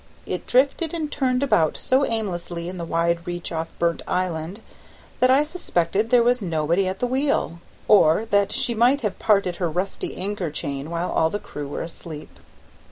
It drifted and turned about so aimlessly in the wide reach off Burnt Island, that I suspected there was nobody at the wheel, or that she might have parted her rusty anchor chain while all the crew were asleep.